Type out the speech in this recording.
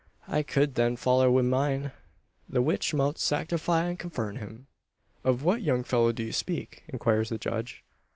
I kud then foller wi' mine, the which mout sartify and confirm him." "Of what young fellow do you speak?" inquires the judge.